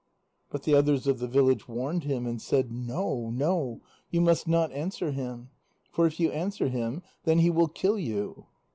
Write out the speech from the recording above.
But the others of the village warned him, and said: "No, no; you must not answer him. For if you answer him, then he will kill you."